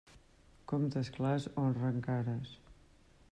Comptes clars honren cares.